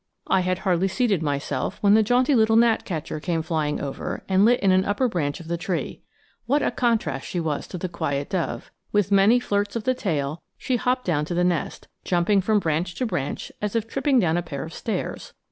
I had hardly seated myself when the jaunty little gnatcatcher came flying over and lit in an upper branch of the tree. What a contrast she was to the quiet dove! With many flirts of the tail she hopped down to the nest, jumping from branch to branch as if tripping down a pair of stairs.